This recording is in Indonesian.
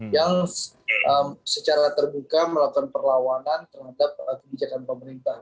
yang secara terbuka melakukan perlawanan terhadap kebijakan pemerintah